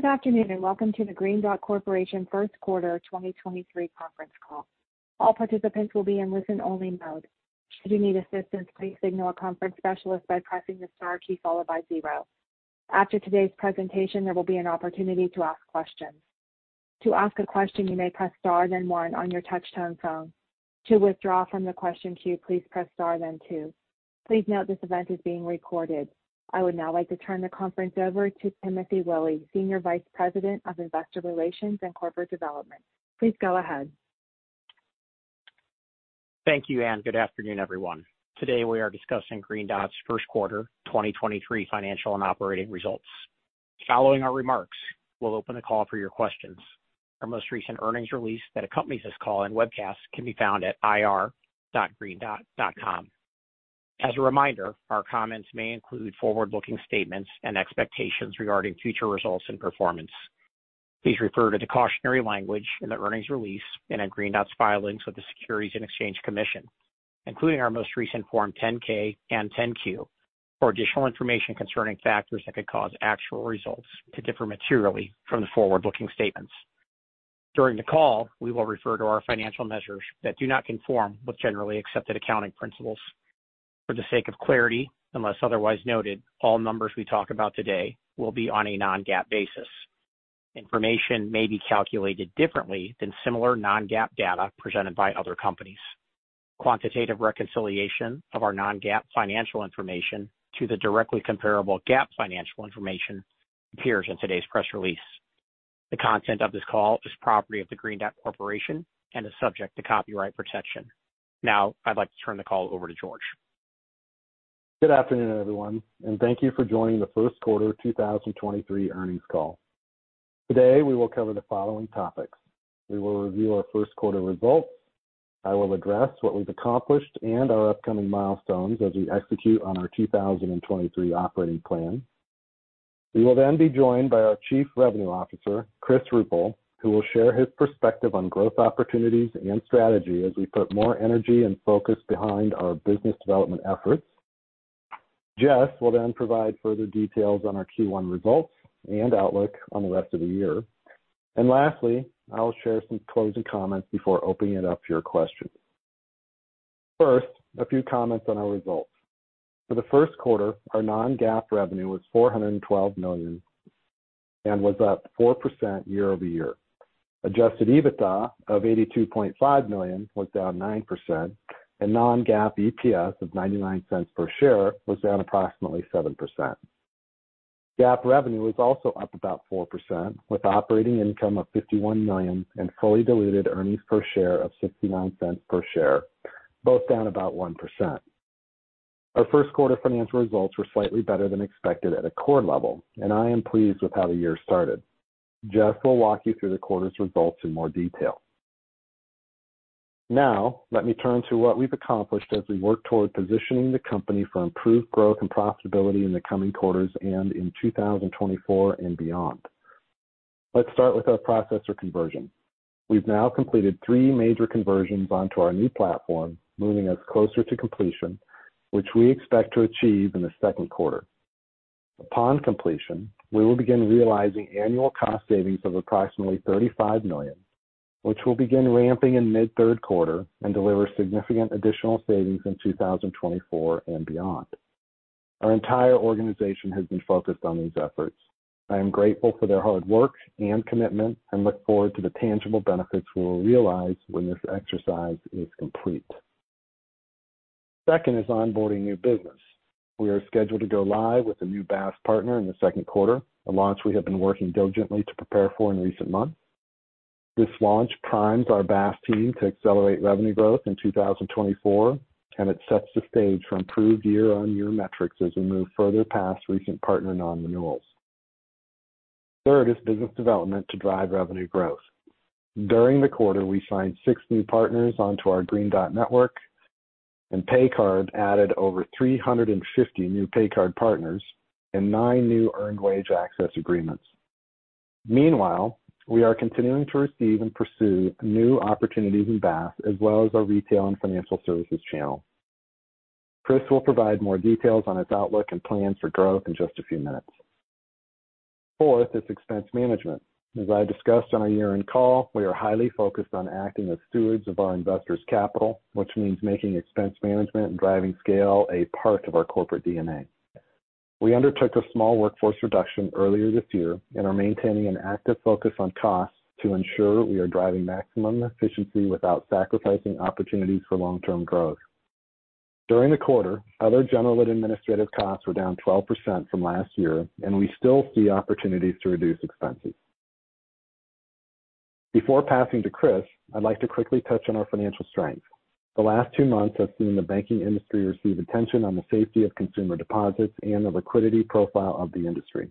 Good afternoon, welcome to the Green Dot Corporation first quarter 2023 conference call. All participants will be in listen-only mode. Should you need assistance, please signal a conference specialist by pressing the star key followed by zero. After today's presentation, there will be an opportunity to ask questions. To ask a question, you may press star then one on your touchtone phone. To withdraw from the question queue, please press star then two. Please note this event is being recorded. I would now like to turn the conference over to Timothy Willi, Senior Vice President of Investor Relations and Corporate Development. Please go ahead. Thank you, Anne. Good afternoon, everyone. Today, we are discussing Green Dot's first-quarter 2023 financial and operating results. Following our remarks, we'll open the call for your questions. Our most recent earnings release that accompanies this call and webcast can be found at ir.greendot.com. As a reminder, our comments may include forward-looking statements and expectations regarding future results and performance. Please refer to the cautionary language in the earnings release and in Green Dot's filings with the Securities and Exchange Commission, including our most recent Form 10-K and Form 10-Q, for additional information concerning factors that could cause actual results to differ materially from the forward-looking statements. During the call, we will refer to our financial measures that do not conform with generally accepted accounting principles. For the sake of clarity, unless otherwise noted, all numbers we talk about today will be on a non-GAAP basis. Information may be calculated differently than similar non-GAAP data presented by other companies. Quantitative reconciliation of our non-GAAP financial information to the directly comparable GAAP financial information appears in today's press release. The content of this call is property of the Green Dot Corporation and is subject to copyright protection. Now, I'd like to turn the call over to George. Good afternoon, everyone, thank you for joining the first quarter 2023 earnings call. Today, we will cover the following topics. We will review our first quarter results. I will address what we've accomplished and our upcoming milestones as we execute on our 2023 operating plan. We will be joined by our Chief Revenue Officer, Chris Ruppel, who will share his perspective on growth opportunities and strategy as we put more energy and focus behind our business development efforts. Jess will provide further details on our Q1 results and outlook on the rest of the year. Lastly, I will share some closing comments before opening it up to your questions. First, a few comments on our results. For the first quarter, our non-GAAP revenue was $412 million and was up 4% year-over-year. Adjusted EBITDA of $82.5 million was down 9%, and non-GAAP EPS of $0.99 per share was down approximately 7%. GAAP revenue was also up about 4%, with operating income of $51 million and fully diluted earnings per share of $0.69 per share, both down about 1%. Our first quarter financial results were slightly better than expected at a core level, and I am pleased with how the year started. Jess will walk you through the quarter's results in more detail. Now, let me turn to what we've accomplished as we work toward positioning the company for improved growth and profitability in the coming quarters and in 2024 and beyond. Let's start with our processor conversion. We've now completed three major conversions onto our new platform, moving us closer to completion, which we expect to achieve in the second quarter. Upon completion, we will begin realizing annual cost savings of approximately $35 million, which will begin ramping in mid third quarter and deliver significant additional savings in 2024 and beyond. Our entire organization has been focused on these efforts. I am grateful for their hard work and commitment and look forward to the tangible benefits we will realize when this exercise is complete. Second is onboarding new business. We are scheduled to go live with a new BaaS partner in the second quarter, a launch we have been working diligently to prepare for in recent months. This launch primes our BaaS team to accelerate revenue growth in 2024. It sets the stage for improved year-on-year metrics as we move further past recent partner non-renewals. Third is business development to drive revenue growth. During the quarter, we signed six new partners onto our Green Dot Network, and PayCard added over 350 new PayCard partners and nine new earned wage access agreements. Meanwhile, we are continuing to receive and pursue new opportunities in BaaS as well as our retail and financial services channel. Chris will provide more details on his outlook and plans for growth in just a few minutes. Fourth is expense management. As I discussed on our year-end call, we are highly focused on acting as stewards of our investors' capital, which means making expense management and driving scale a part of our corporate DNA. We undertook a small workforce reduction earlier this year and are maintaining an active focus on costs to ensure we are driving maximum efficiency without sacrificing opportunities for long-term growth. During the quarter, other general and administrative costs were down 12% from last year, and we still see opportunities to reduce expenses. Before passing to Chris, I'd like to quickly touch on our financial strength. The last two months have seen the banking industry receive attention on the safety of consumer deposits and the liquidity profile of the industry.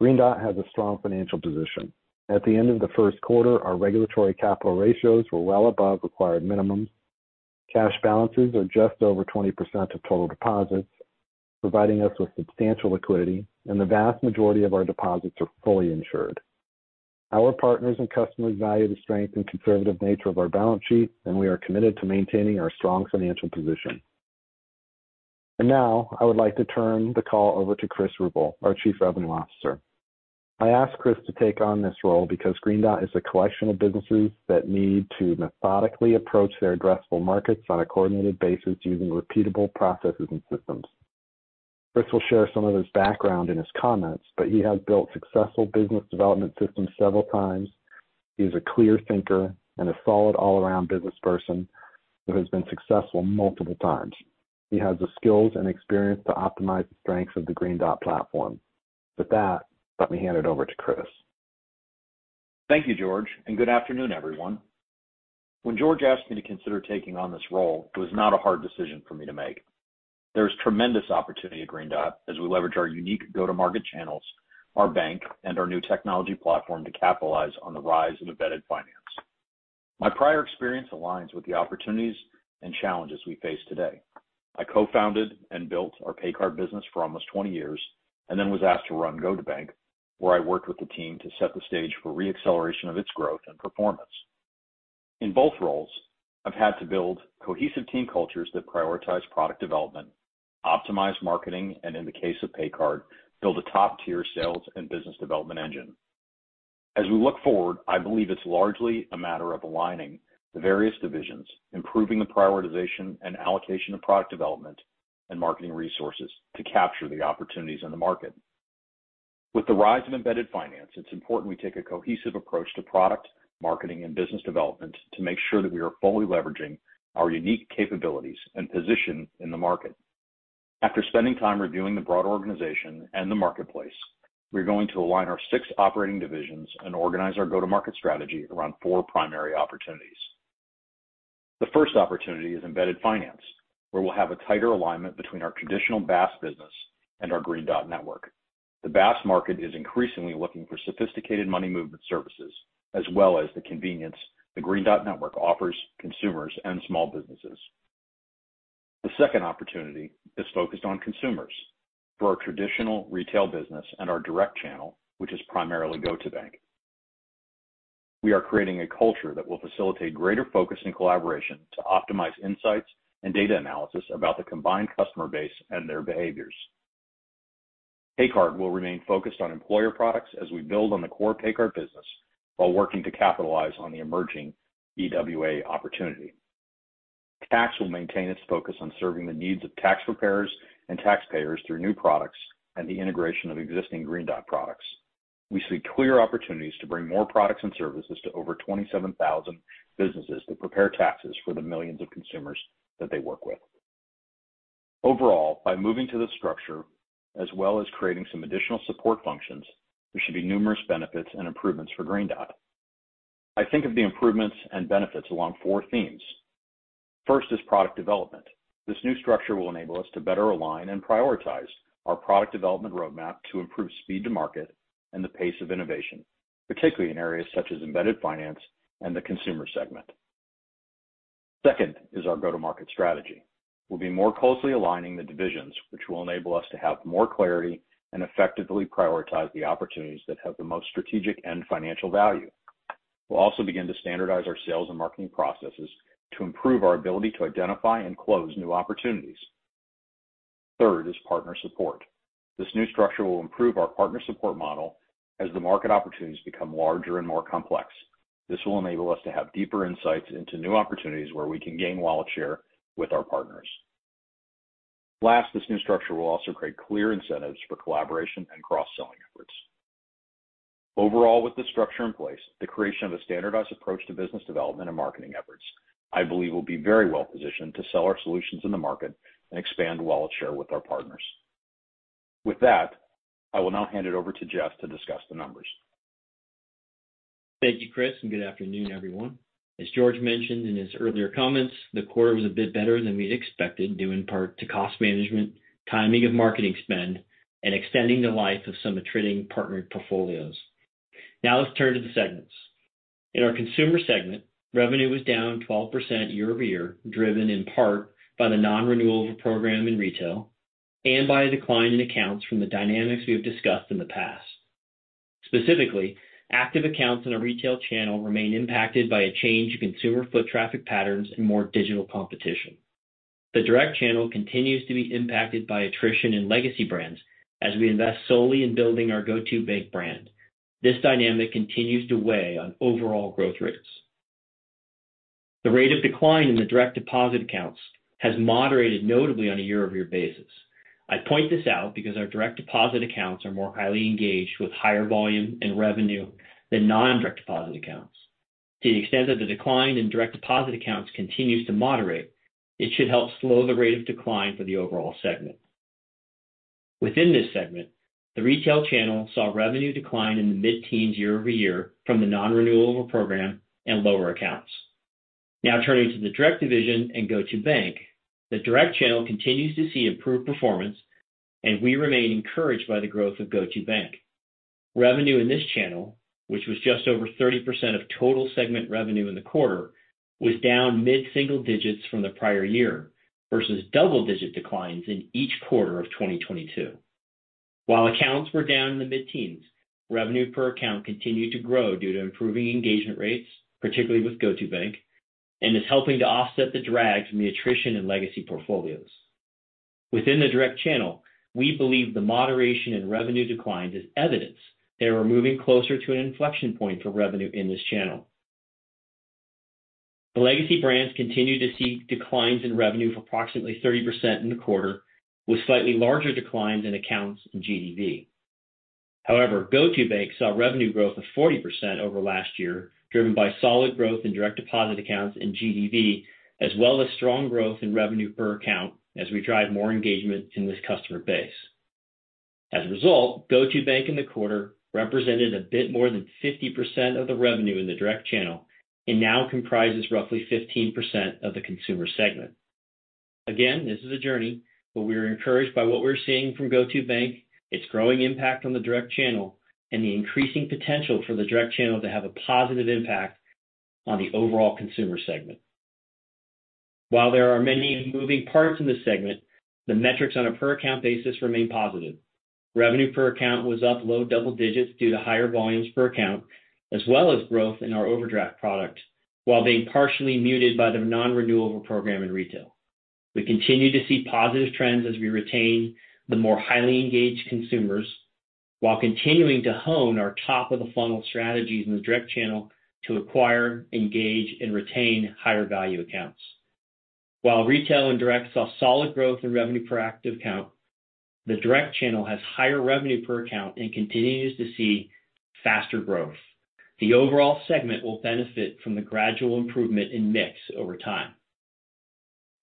Green Dot has a strong financial position. At the end of the first quarter, our regulatory capital ratios were well above required minimums. Cash balances are just over 20% of total deposits, providing us with substantial liquidity, and the vast majority of our deposits are fully insured. Our partners and customers value the strength and conservative nature of our balance sheet, and we are committed to maintaining our strong financial position. Now I would like to turn the call over to Chris Ruppel, our Chief Revenue Officer. I asked Chris to take on this role because Green Dot is a collection of businesses that need to methodically approach their addressable markets on a coordinated basis using repeatable processes and systems. Chris will share some of his background in his comments, but he has built successful business development systems several times. He's a clear thinker and a solid all-around businessperson who has been successful multiple times. He has the skills and experience to optimize the strengths of the Green Dot platform. With that, let me hand it over to Chris. Thank you, George. Good afternoon, everyone. When George asked me to consider taking on this role, it was not a hard decision for me to make. There's tremendous opportunity at Green Dot as we leverage our unique go-to-market channels, our bank, and our new technology platform to capitalize on the rise of embedded finance. My prior experience aligns with the opportunities and challenges we face today. I co-founded and built our PayCard business for almost 20 years. Then was asked to run GO2bank, where I worked with the team to set the stage for re-acceleration of its growth and performance. In both roles, I've had to build cohesive team cultures that prioritize product development, optimize marketing, and in the case of PayCard, build a top-tier sales and business development engine. As we look forward, I believe it's largely a matter of aligning the various divisions, improving the prioritization and allocation of product development and marketing resources to capture the opportunities in the market. With the rise of embedded finance, it's important we take a cohesive approach to product, marketing, and business development to make sure that we are fully leveraging our unique capabilities and position in the market. After spending time reviewing the broader organization and the marketplace, we're going to align our six operating divisions and organize our go-to-market strategy around four primary opportunities. The first opportunity is embedded finance, where we'll have a tighter alignment between our traditional BaaS business and our Green Dot Network. The BaaS market is increasingly looking for sophisticated money movement services, as well as the convenience the Green Dot Network offers consumers and small businesses. The second opportunity is focused on consumers for our traditional retail business and our direct channel, which is primarily GO2bank. We are creating a culture that will facilitate greater focus and collaboration to optimize insights and data analysis about the combined customer base and their behaviors. PayCard will remain focused on employer products as we build on the core PayCard business while working to capitalize on the emerging EWA opportunity. Tax will maintain its focus on serving the needs of tax preparers and taxpayers through new products and the integration of existing Green Dot products. We see clear opportunities to bring more products and services to over 27,000 businesses that prepare taxes for the millions of consumers that they work with. By moving to this structure as well as creating some additional support functions, there should be numerous benefits and improvements for Green Dot. I think of the improvements and benefits along 4 themes. First is product development. This new structure will enable us to better align and prioritize our product development roadmap to improve speed to market and the pace of innovation, particularly in areas such as embedded finance and the consumer segment. Second is our go-to-market strategy. We'll be more closely aligning the divisions, which will enable us to have more clarity and effectively prioritize the opportunities that have the most strategic and financial value. We'll also begin to standardize our sales and marketing processes to improve our ability to identify and close new opportunities. Third is partner support. This new structure will improve our partner support model as the market opportunities become larger and more complex. This will enable us to have deeper insights into new opportunities where we can gain wallet share with our partners. This new structure will also create clear incentives for collaboration and cross-selling efforts. Overall, with this structure in place, the creation of a standardized approach to business development and marketing efforts, I believe we'll be very well positioned to sell our solutions in the market and expand wallet share with our partners. With that, I will now hand it over to Jess to discuss the numbers. Thank you, Chris. Good afternoon, everyone. As George mentioned in his earlier comments, the quarter was a bit better than we expected, due in part to cost management, timing of marketing spend, and extending the life of some attriting partnered portfolios. Let's turn to the segments. In our consumer segment, revenue was down 12% year-over-year, driven in part by the non-renewal of a program in retail and by a decline in accounts from the dynamics we have discussed in the past. Specifically, active accounts in a retail channel remain impacted by a change in consumer foot traffic patterns and more digital competition. The direct channel continues to be impacted by attrition in legacy brands as we invest solely in building our GO2bank brand. This dynamic continues to weigh on overall growth rates. The rate of decline in the direct deposit accounts has moderated notably on a year-over-year basis. I point this out because our direct deposit accounts are more highly engaged with higher volume and revenue than non-direct deposit accounts. To the extent that the decline in direct deposit accounts continues to moderate, it should help slow the rate of decline for the overall segment. Within this segment, the retail channel saw revenue decline in the mid-teens year-over-year from the non-renewal program and lower accounts. Turning to the direct division and GO2bank. The direct channel continues to see improved performance, and we remain encouraged by the growth of GO2bank. Revenue in this channel, which was just over 30% of total segment revenue in the quarter, was down mid-single digits from the prior year versus double-digit declines in each quarter of 2022. While accounts were down in the mid-teens, revenue per account continued to grow due to improving engagement rates, particularly with GO2bank, and is helping to offset the drag from the attrition in legacy portfolios. Within the direct channel, we believe the moderation in revenue declines is evidence that we're moving closer to an inflection point for revenue in this channel. The legacy brands continued to see declines in revenue of approximately 30% in the quarter, with slightly larger declines in accounts in GDV. However, GO2bank saw revenue growth of 40% over last year, driven by solid growth in direct deposit accounts and GDV, as well as strong growth in revenue per account as we drive more engagement in this customer base. As a result, GO2bank in the quarter represented a bit more than 50% of the revenue in the direct channel and now comprises roughly 15% of the consumer segment. Again, this is a journey, but we are encouraged by what we're seeing from GO2bank, its growing impact on the direct channel, and the increasing potential for the direct channel to have a positive impact on the overall consumer segment. While there are many moving parts in this segment, the metrics on a per account basis remain positive. Revenue per account was up low double digits due to higher volumes per account, as well as growth in our overdraft product while being partially muted by the non-renewal program in retail. We continue to see positive trends as we retain the more highly engaged consumers while continuing to hone our top-of-the-funnel strategies in the direct channel to acquire, engage, and retain higher value accounts. While retail and direct saw solid growth in revenue per active account, the direct channel has higher revenue per account and continues to see faster growth. The overall segment will benefit from the gradual improvement in mix over time.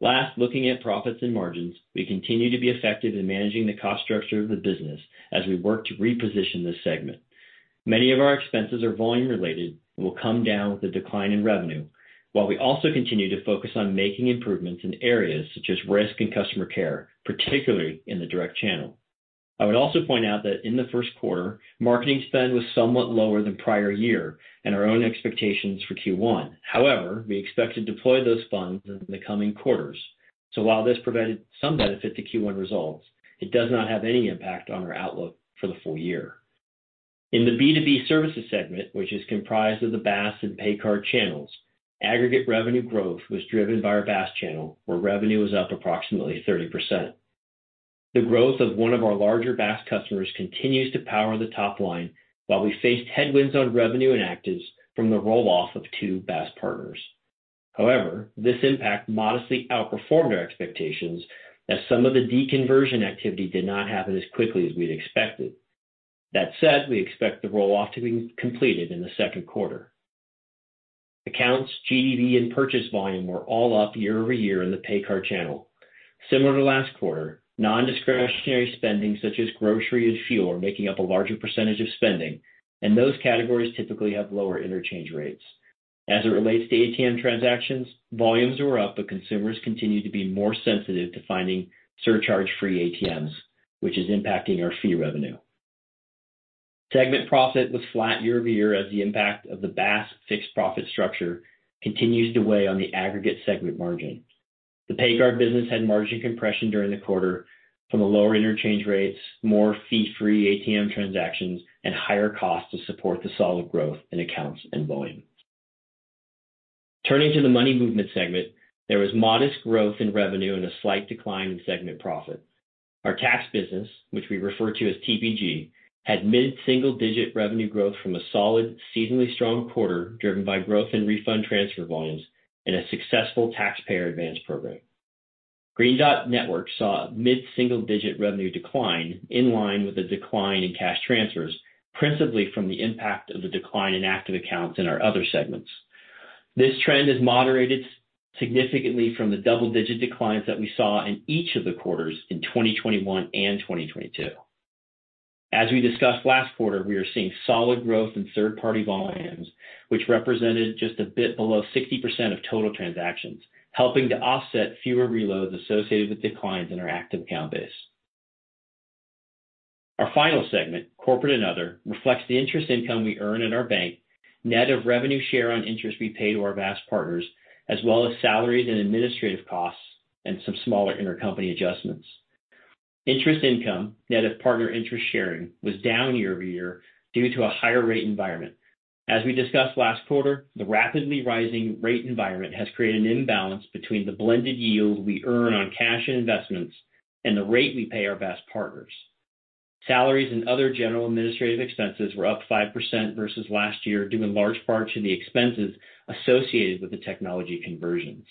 Last, looking at profits and margins. We continue to be effective in managing the cost structure of the business as we work to reposition this segment. Many of our expenses are volume related and will come down with a decline in revenue, while we also continue to focus on making improvements in areas such as risk and customer care, particularly in the direct channel. I would also point out that in the first quarter, marketing spend was somewhat lower than prior year and our own expectations for Q1. However, we expect to deploy those funds in the coming quarters. While this provided some benefit to Q1 results, it does not have any impact on our outlook for the full year. In the B2B services segment, which is comprised of the BaaS and PayCard channels, aggregate revenue growth was driven by our BaaS channel, where revenue was up approximately 30%. The growth of one of our larger BaaS customers continues to power the top line while we faced headwinds on revenue and actives from the roll-off of two BaaS partners. This impact modestly outperformed our expectations as some of the deconversion activity did not happen as quickly as we'd expected. That said, we expect the roll-off to be completed in the second quarter. Accounts, GDV, and purchase volume were all up year-over-year in the pay card channel. Similar to last quarter, non-discretionary spending such as grocery and fuel are making up a larger % of spending, and those categories typically have lower interchange rates. As it relates to ATM transactions, volumes were up, but consumers continued to be more sensitive to finding surcharge-free ATMs, which is impacting our fee revenue. Segment profit was flat year-over-year as the impact of the BaaS fixed profit structure continues to weigh on the aggregate segment margin. The PayCard business had margin compression during the quarter from the lower interchange rates, more fee-free ATM transactions, and higher costs to support the solid growth in accounts and volume. Turning to the money movement segment, there was modest growth in revenue and a slight decline in segment profit. Our tax business, which we refer to as TPG, had mid-single digit revenue growth from a solid seasonally strong quarter driven by growth in Refund Transfer volumes and a successful Taxpayer Advance program. Green Dot Network saw a mid-single digit revenue decline in line with the decline in cash transfers, principally from the impact of the decline in active accounts in our other segments. This trend has moderated significantly from the double-digit declines that we saw in each of the quarters in 2021 and 2022. As we discussed last quarter, we are seeing solid growth in third-party volumes, which represented just a bit below 60% of total transactions, helping to offset fewer reloads associated with declines in our active account base. Our final segment, corporate and other, reflects the interest income we earn in our bank, net of revenue share on interest we pay to our BaaS partners, as well as salaries and administrative costs and some smaller intercompany adjustments. Interest income, net of partner interest sharing, was down year-over-year due to a higher rate environment. As we discussed last quarter, the rapidly rising rate environment has created an imbalance between the blended yield we earn on cash and investments and the rate we pay our BaaS partners. Salaries and other general administrative expenses were up 5% versus last year, due in large part to the expenses associated with the technology conversions.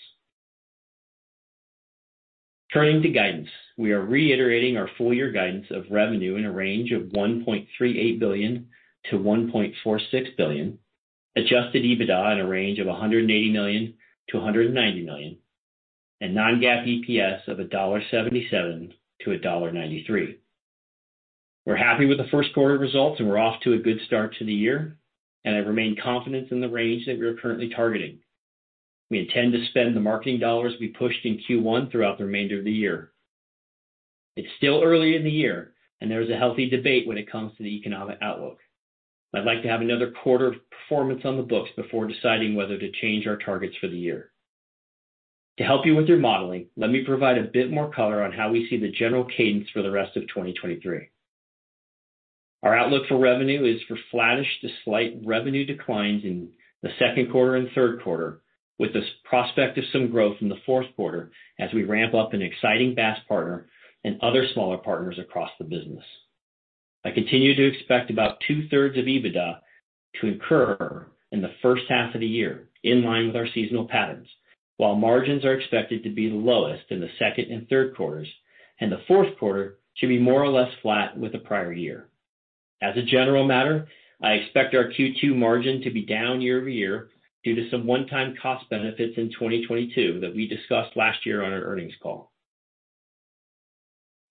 Turning to guidance. We are reiterating our full year guidance of revenue in a range of $1.38 billion-$1.46 billion, adjusted EBITDA in a range of $180 million-$190 million, and non-GAAP EPS of $1.77-$1.93. We're happy with the first quarter results and we're off to a good start to the year. I remain confident in the range that we are currently targeting. We intend to spend the marketing dollars we pushed in Q1 throughout the remainder of the year. It's still early in the year. There is a healthy debate when it comes to the economic outlook. I'd like to have another quarter of performance on the books before deciding whether to change our targets for the year. To help you with your modeling, let me provide a bit more color on how we see the general cadence for the rest of 2023. Our outlook for revenue is for flattish to slight revenue declines in the second quarter and third quarter, with the prospect of some growth in the fourth quarter as we ramp up an exciting BaaS partner and other smaller partners across the business. I continue to expect about two-thirds of EBITDA to incur in the first half of the year, in line with our seasonal patterns, while margins are expected to be the lowest in the second and third quarters, and the fourth quarter should be more or less flat with the prior year. As a general matter, I expect our Q2 margin to be down year-over-year due to some one-time cost benefits in 2022 that we discussed last year on our earnings call.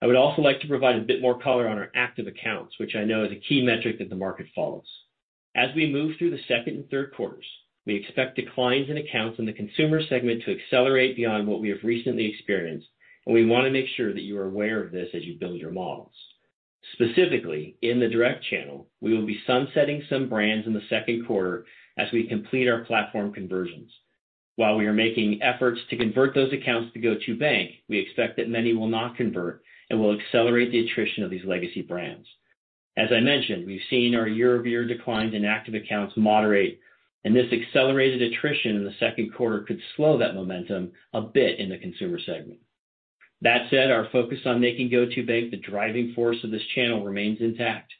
I would also like to provide a bit more color on our active accounts, which I know is a key metric that the market follows. As we move through the second and third quarters, we expect declines in accounts in the consumer segment to accelerate beyond what we have recently experienced. We want to make sure that you are aware of this as you build your models. Specifically, in the direct channel, we will be sunsetting some brands in the second quarter as we complete our platform conversions. While we are making efforts to convert those accounts to GO2bank, we expect that many will not convert and will accelerate the attrition of these legacy brands. As I mentioned, we've seen our year-over-year declines in active accounts moderate, and this accelerated attrition in the second quarter could slow that momentum a bit in the consumer segment. That said, our focus on making GO2bank the driving force of this channel remains intact.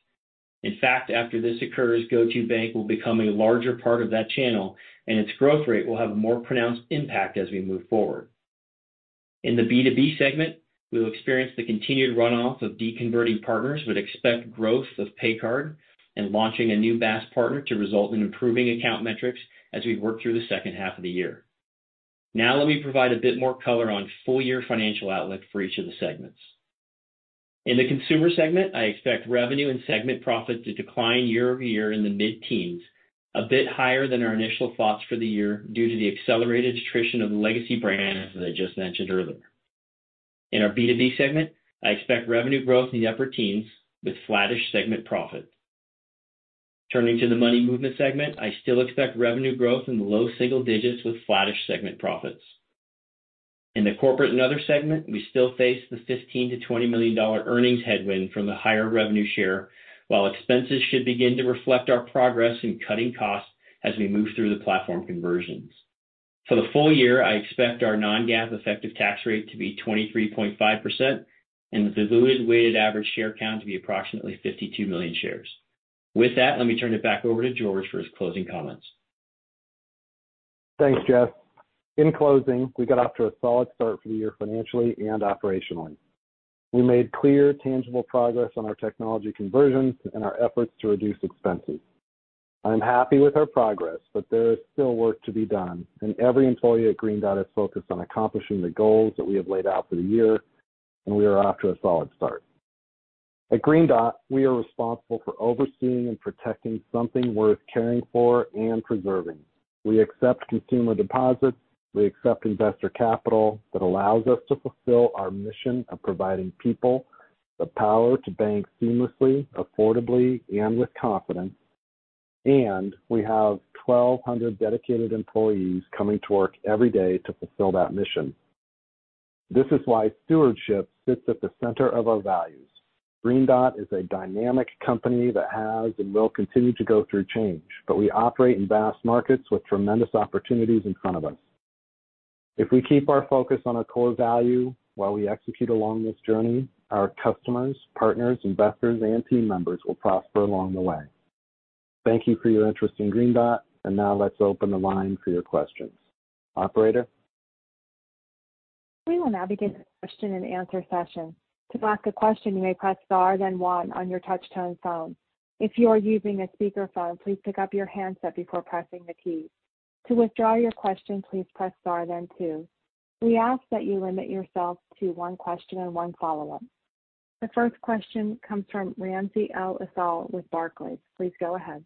In fact, after this occurs, GO2bank will become a larger part of that channel, and its growth rate will have more pronounced impact as we move forward. In the B2B segment, we will experience the continued runoff of deconverting partners but expect growth of PayCard and launching a new BaaS partner to result in improving account metrics as we work through the second half of the year. Now let me provide a bit more color on full-year financial outlook for each of the segments. In the consumer segment, I expect revenue and segment profit to decline year-over-year in the mid-teens, a bit higher than our initial thoughts for the year due to the accelerated attrition of the legacy brands that I just mentioned earlier. In our B2B segment, I expect revenue growth in the upper teens with flattish segment profit. Turning to the money movement segment, I still expect revenue growth in the low single digits with flattish segment profits. In the corporate and other segment, we still face the $15 million-$20 million earnings headwind from the higher revenue share while expenses should begin to reflect our progress in cutting costs as we move through the platform conversions. For the full year, I expect our non-GAAP effective tax rate to be 23.5% and the diluted weighted average share count to be approximately 52 million shares. With that, let me turn it back over to George for his closing comments. Thanks, Jess. In closing, we got off to a solid start for the year financially and operationally. We made clear tangible progress on our technology conversions and our efforts to reduce expenses. I'm happy with our progress, there is still work to be done, every employee at Green Dot is focused on accomplishing the goals that we have laid out for the year, we are off to a solid start. At Green Dot, we are responsible for overseeing and protecting something worth caring for and preserving. We accept consumer deposits, we accept investor capital that allows us to fulfill our mission of providing people the power to bank seamlessly, affordably, and with confidence. We have 1,200 dedicated employees coming to work every day to fulfill that mission. This is why stewardship sits at the center of our values. Green Dot is a dynamic company that has and will continue to go through change, but we operate in vast markets with tremendous opportunities in front of us. If we keep our focus on our core value while we execute along this journey, our customers, partners, investors, and team members will prosper along the way. Thank you for your interest in Green Dot. Now let's open the line for your questions. Operator? We will now begin the question-and-answer session. To ask a question, you may press star then one on your touch-tone phone. If you are using a speaker phone, please pick up your handset before pressing the key. To withdraw your question, please press star then two. We ask that you limit yourself to one question and one follow-up. The first question comes from Ramsey El-Assal with Barclays. Please go ahead.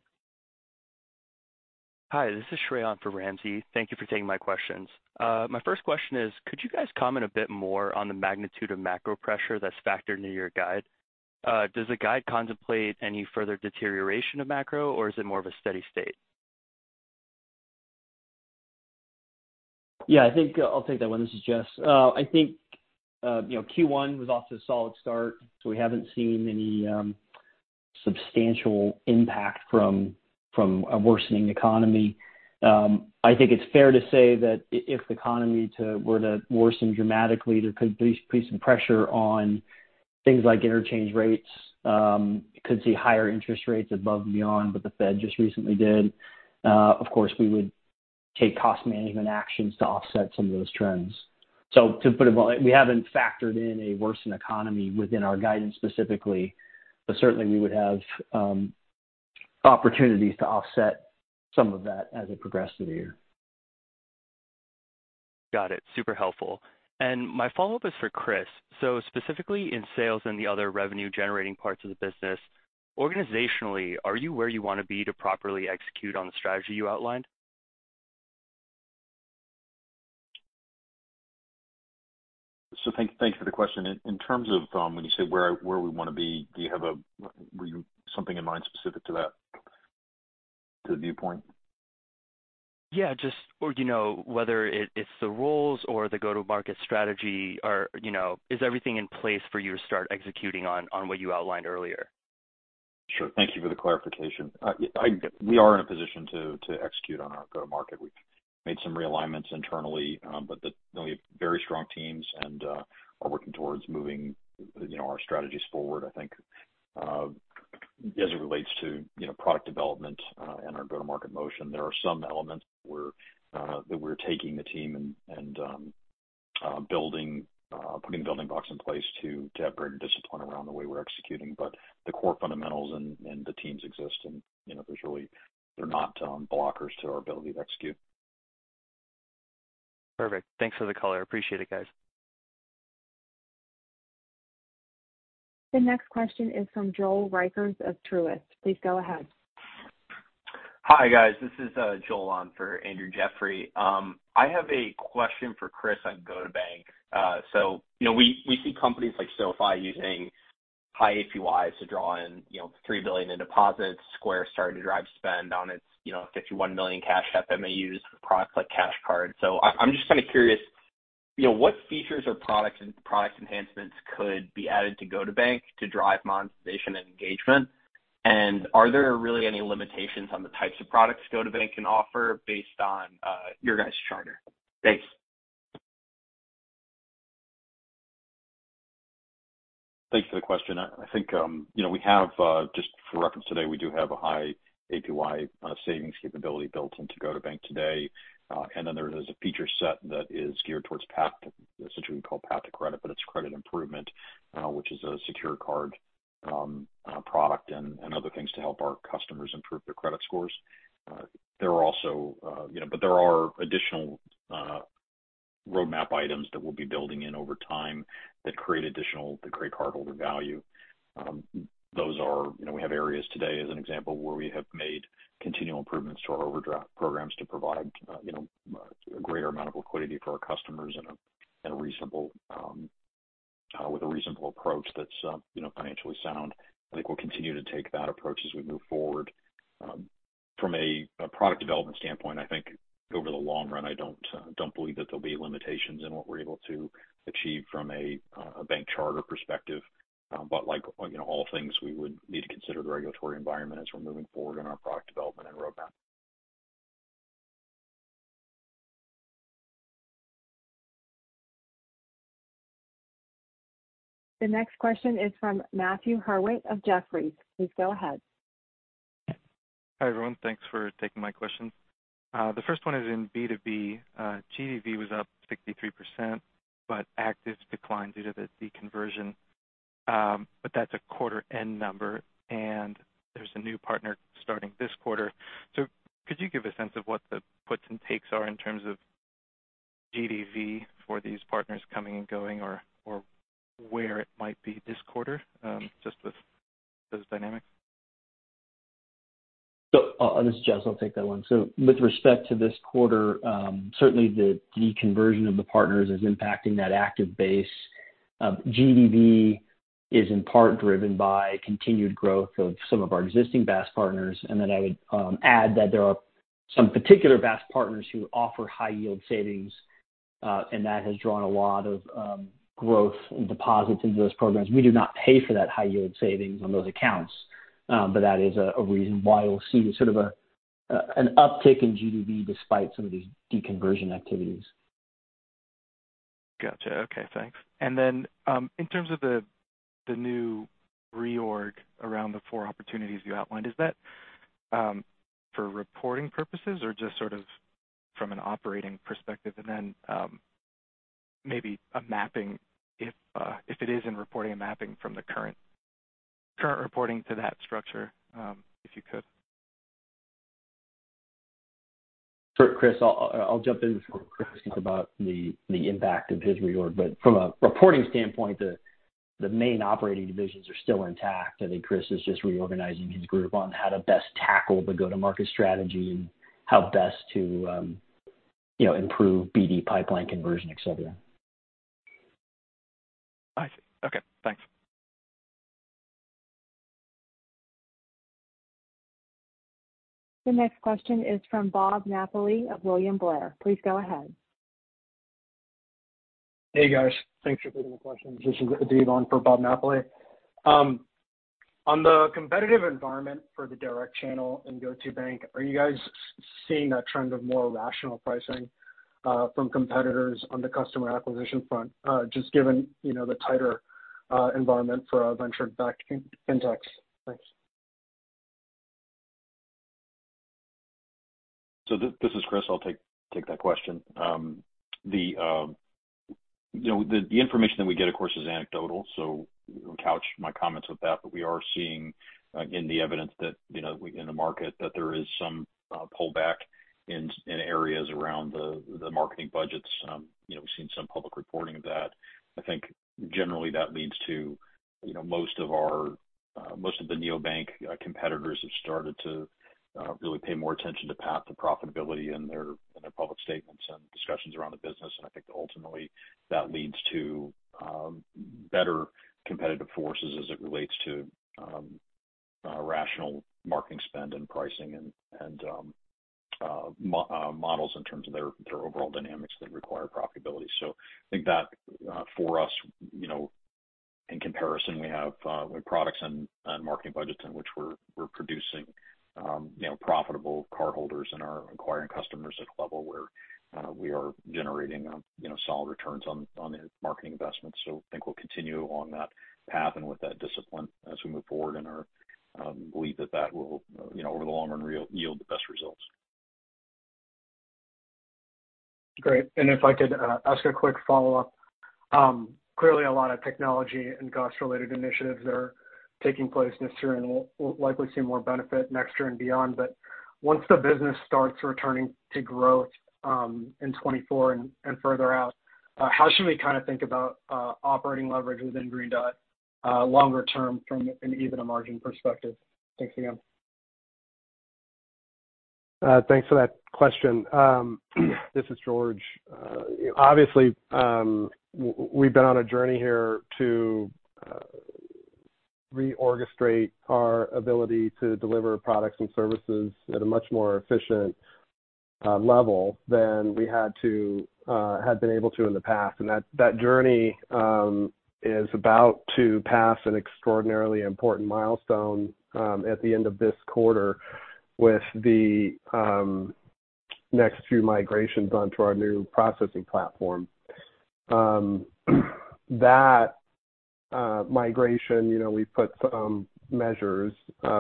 Hi, this is Shreyas for Ramsey. Thank you for taking my questions. My first question is, could you guys comment a bit more on the magnitude of macro pressure that's factored into your guide? Does the guide contemplate any further deterioration of macro, or is it more of a steady state? Yeah, I think I'll take that one. This is Jess. I think, you know, Q1 was off to a solid start, so we haven't seen any substantial impact from a worsening economy. I think it's fair to say that if the economy were to worsen dramatically, there could be some pressure on things like interchange rates. Could see higher interest rates above and beyond what the Fed just recently did. Of course, we would take cost management actions to offset some of those trends. To put it bluntly, we haven't factored in a worsened economy within our guidance specifically, but certainly, we would have opportunities to offset some of that as it progressed through the year. Got it. Super helpful. My follow-up is for Chris. Specifically in sales and the other revenue-generating parts of the business, organizationally, are you where you want to be to properly execute on the strategy you outlined? Thanks for the question. In terms of, when you say where we want to be, do you have something in mind specific to that? To the viewpoint? Yeah, just or, you know, whether it's the roles or the go-to-market strategy or, you know, is everything in place for you to start executing on what you outlined earlier? Sure. Thank you for the clarification. Yeah, we are in a position to execute on our go-to-market. We've made some realignments internally. You know, we have very strong teams and are working towards moving, you know, our strategies forward. I think, as it relates to, you know, product development and our go-to-market motion, there are some elements that we're taking the team and building, putting building blocks in place to have greater discipline around the way we're executing. The core fundamentals and the teams exist and, you know, they're not blockers to our ability to execute. Perfect. Thanks for the color. Appreciate it, guys. The next question is from Joel Roeske of Truist. Please go ahead. Hi, guys. This is Joel on for Andrew Jeffrey. I have a question for Chris on GO2bank. You know, we see companies like SoFi using high APYs to draw in, you know, $3 billion in deposits. Square started to drive spend on its, you know, 51 million Cash App that may use products like Cash Card. I'm just kind of curious, you know, what features or products and product enhancements could be added to GO2bank to drive monetization and engagement? Are there really any limitations on the types of products GO2bank can offer based on your guys' charter? Thanks. Thanks for the question. I think, you know, we have, just for reference today, we do have a high APY savings capability built into GO2bank today. And then there is a feature set that is geared towards path, essentially we call path to credit, but it's credit improvement, which is a secured card product and other things to help our customers improve their credit scores. There are also, you know, but there are additional roadmap items that we'll be building in over time that create cardholder value. Those are, you know, we have areas today as an example, where we have made continual improvements to our overdraft programs to provide, you know, a greater amount of liquidity for our customers in a, in a reasonable, with a reasonable approach that's, you know, financially sound. I think we'll continue to take that approach as we move forward. From a product development standpoint, I think over the long run, I don't believe that there'll be limitations in what we're able to achieve from a bank charter perspective. Like, you know, all things, we would need to consider the regulatory environment as we're moving forward in our product development and roadmap. The next question is from Matthew Hart of Jefferies. Please go ahead. Hi, everyone. Thanks for taking my questions. The first one is in B2B. GDV was up 63%, but actives declined due to the deconversion. That's a quarter end number, and there's a new partner starting this quarter. Could you give a sense of what the puts and takes are in terms of GDV for these partners coming and going or where it might be this quarter, just with those dynamics? This is Jess. I'll take that one. With respect to this quarter, certainly the deconversion of the partners is impacting that active base. GDV is in part driven by continued growth of some of our existing BaaS partners. I would add that there are some particular BaaS partners who offer high-yield savings, and that has drawn a lot of growth and deposits into those programs. We do not pay for that high-yield savings on those accounts, that is a reason why you'll see sort of an uptick in GDV despite some of these deconversion activities. Gotcha. Okay, thanks. In terms of the new reorg around the four opportunities you outlined, is that, for reporting purposes or just sort of from an operating perspective? Maybe a mapping if it is in reporting a mapping from the current reporting to that structure, if you could. For Chris, I'll jump in before Chris thinks about the impact of his reorg. From a reporting standpoint, the main operating divisions are still intact. I think Chris is just reorganizing his group on how to best tackle the go-to-market strategy and how best to, you know, improve BD pipeline conversion, et cetera. I see. Okay, thanks. The next question is from Bob Napoli of William Blair. Please go ahead. Hey, guys. Thanks for taking the questions. This is Dave on for Bob Napoli. On the competitive environment for the direct channel in GO2bank, are you guys seeing a trend of more rational pricing from competitors on the customer acquisition front, just given, you know, the tighter environment for venture-backed fintechs? Thanks. This is Chris. I'll take that question. you know, the information that we get, of course, is anecdotal, so I'll couch my comments with that. We are seeing, again, the evidence that, you know, in the market that there is some pullback in areas around the marketing budgets. you know, we've seen some public reporting of that. I think generally that leads to, you know, most of our, most of the neobank competitors have started to really pay more attention to path to profitability in their public statements and discussions around the business. I think ultimately that leads to better competitive forces as it relates to rational marketing spend and pricing and models in terms of their overall dynamics that require profitability. I think that, for us, you know, in comparison, we have products and marketing budgets in which we're producing, you know, profitable cardholders and are acquiring customers at a level where we are generating, you know, solid returns on the marketing investments. I think we'll continue on that path and with that discipline as we move forward, and are, believe that that will, you know, over the long run, real yield the best results. Great. If I could ask a quick follow-up. Clearly a lot of technology and cost-related initiatives are taking place this year, and we'll likely see more benefit next year and beyond. Once the business starts returning to growth, in 2024 and further out, how should we kinda think about operating leverage within Green Dot, longer term from an EBITDA margin perspective? Thanks again. Thanks for that question. This is George. Obviously, we've been on a journey here to re-orchestrate our ability to deliver products and services at a much more efficient level than we had been able to in the past. That journey is about to pass an extraordinarily important milestone at the end of this quarter with the next few migrations onto our new processing platform. That migration, you know, we put some measures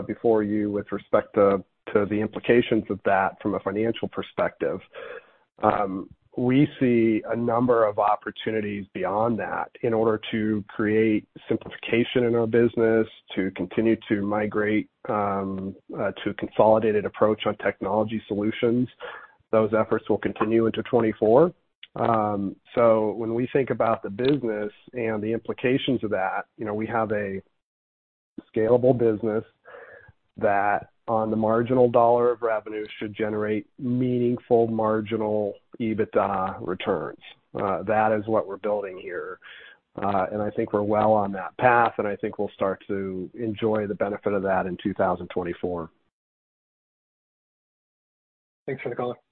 before you with respect to the implications of that from a financial perspective. We see a number of opportunities beyond that in order to create simplification in our business, to continue to migrate to a consolidated approach on technology solutions. Those efforts will continue into 2024. When we think about the business and the implications of that, you know, we have a scalable business that on the marginal dollar of revenue should generate meaningful marginal EBITDA returns. That is what we're building here. I think we're well on that path, and I think we'll start to enjoy the benefit of that in 2024. Thanks for the color. Yep.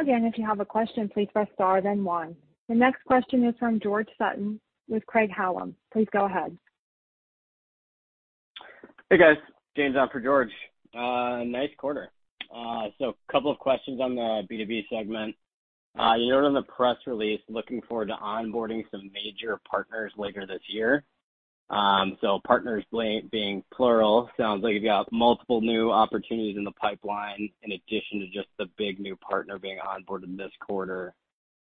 Again, if you have a question, please press star then one. The next question is from George Sutton with Craig-Hallum. Please go ahead. Hey, guys. James on for George. Nice quarter. Couple of questions on the B2B segment. You wrote on the press release, looking forward to onboarding some major partners later this year. Partners being plural sounds like you've got multiple new opportunities in the pipeline in addition to just the big new partner being onboarded this quarter.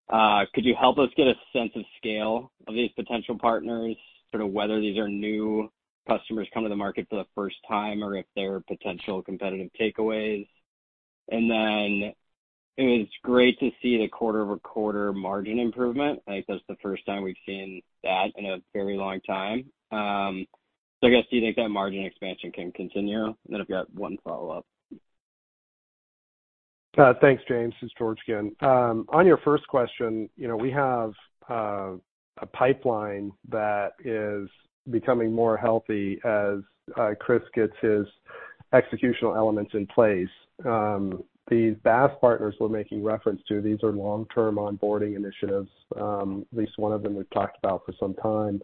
Could you help us get a sense of scale of these potential partners, sort of whether these are new customers coming to the market for the first time or if they're potential competitive takeaways? It was great to see the quarter-over-quarter margin improvement. I think that's the first time we've seen that in a very long time. I guess, do you think that margin expansion can continue? I've got one follow-up. Thanks, James. This is George again. On your first question, you know, we have a pipeline that is becoming more healthy as Chris gets his executional elements in place. These BaaS partners we're making reference to, these are long-term onboarding initiatives, at least one of them we've talked about for some time.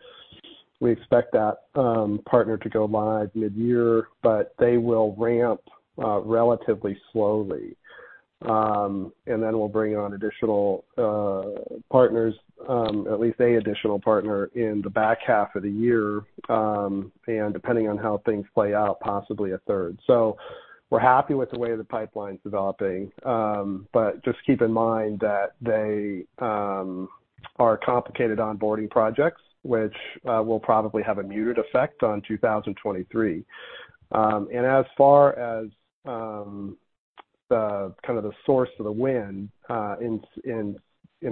We expect that partner to go live mid-year, but they will ramp relatively slowly. Then we'll bring on additional partners, at least a additional partner in the back half of the year, and depending on how things play out, possibly a third. We're happy with the way the pipeline's developing. Just keep in mind that they are complicated onboarding projects, which will probably have a muted effect on 2023. As far as the kind of the source of the win, in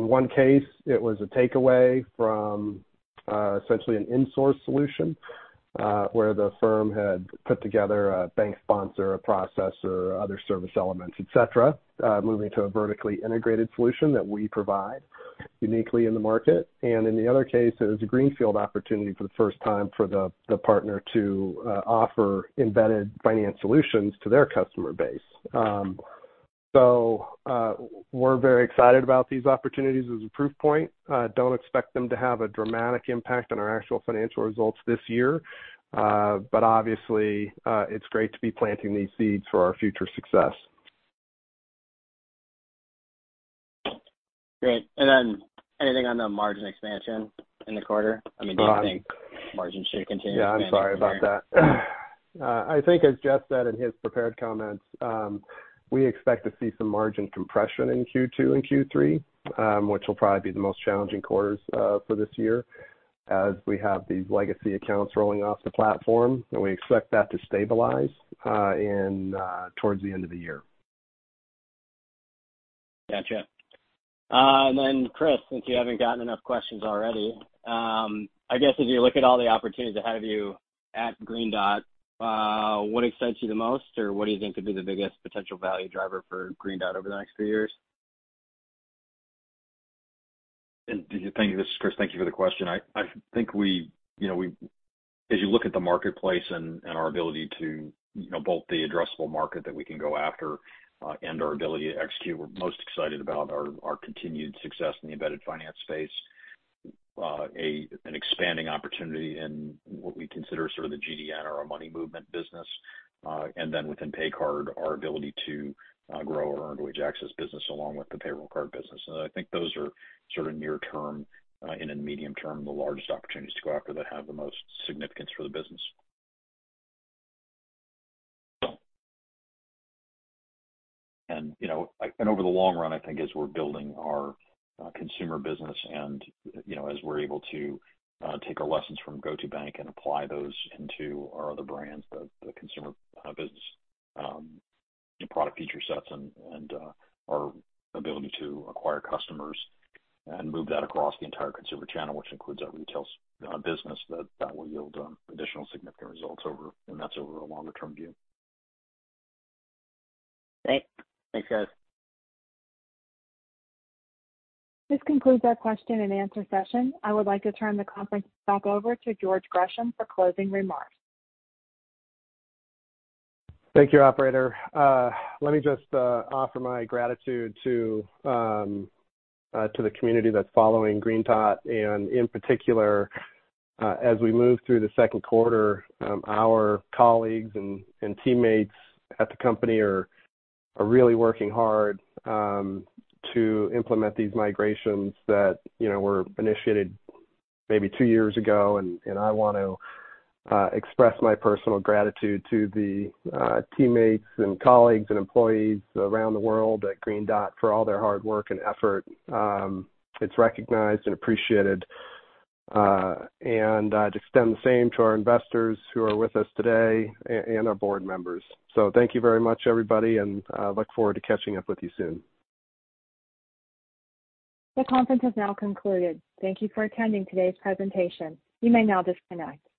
one case, it was a takeaway from essentially an in-source solution, where the firm had put together a bank sponsor, a processor, other service elements, et cetera, moving to a vertically integrated solution that we provide uniquely in the market. In the other case, it was a greenfield opportunity for the first time for the partner to offer embedded finance solutions to their customer base. We're very excited about these opportunities as a proof point. Don't expect them to have a dramatic impact on our actual financial results this year. Obviously, it's great to be planting these seeds for our future success. Great. Anything on the margin expansion in the quarter? I mean, do you think margin should continue to expand?- Yeah, I'm sorry about that. I think as Jess said in his prepared comments, we expect to see some margin compression in Q2 and Q3, which will probably be the most challenging quarters for this year as we have these legacy accounts rolling off the platform. We expect that to stabilize in towards the end of the year. Gotcha. Then Chris, since you haven't gotten enough questions already, I guess as you look at all the opportunities ahead of you at Green Dot, what excites you the most? Or what do you think could be the biggest potential value driver for Green Dot over the next few years? Thank you. This is Chris. Thank you for the question. I think we, you know, as you look at the marketplace and our ability to, you know, both the addressable market that we can go after and our ability to execute, we're most excited about our continued success in the embedded finance space. An expanding opportunity in what we consider sort of the GDN or our money movement business. Within PayCard, our ability to grow our earned wage access business along with the payroll card business. I think those are sort of near term and in medium term, the largest opportunities to go after that have the most significance for the business. You know, like Over the long run, I think as we're building our consumer business, you know, as we're able to take our lessons from GO2bank and apply those into our other brands, the consumer business product feature sets, and our ability to acquire customers and move that across the entire consumer channel, which includes our retail business, that will yield additional significant results over. That's over a longer-term view. Thanks. Thanks, guys. This concludes our question and answer session. I would like to turn the conference back over to George Gresham for closing remarks. Thank you, operator. Let me just offer my gratitude to the community that's following Green Dot. In particular, as we move through the second quarter, our colleagues and teammates at the company are really working hard to implement these migrations that, you know, were initiated maybe two years ago. I want to express my personal gratitude to the teammates and colleagues and employees around the world at Green Dot for all their hard work and effort. It's recognized and appreciated. I'd extend the same to our investors who are with us today and our board members. Thank you very much, everybody, and look forward to catching up with you soon. The conference has now concluded. Thank you for attending today's presentation. You may now disconnect.